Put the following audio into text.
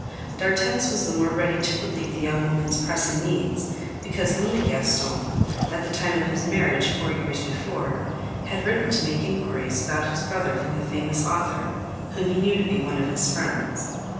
D'Arthez was the more ready to relieve the young woman's pressing needs, because Louis Gaston, at the time of his marriage four years before, had written to make inquiries about his brother from the famous author, whom he knew to be one of his friends.